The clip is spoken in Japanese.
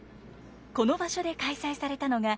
この場所で開催されたのが。